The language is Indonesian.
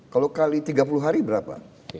kalau kali tiga puluh hari berapa